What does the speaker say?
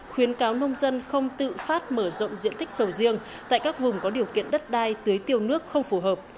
khuyến cáo nông dân không tự phát mở rộng diện tích sầu riêng tại các vùng có điều kiện đất đai tưới tiêu nước không phù hợp